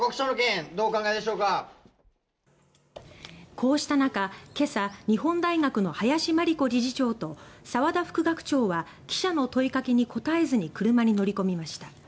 こうした中、今朝日本大学の林真理子理事長と澤田副学長は記者の問いかけに答えずに車に乗り込みました。